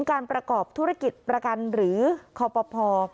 การประกอบธุรกิจประกันหรือคอปภ